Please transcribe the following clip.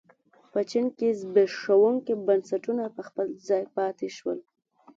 په چین کې زبېښونکي بنسټونه په خپل ځای پاتې شول.